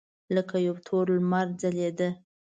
لکه یو تور لمر ځلېده.